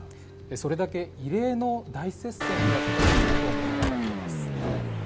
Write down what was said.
それだけ異例の大接戦だということを物語っています。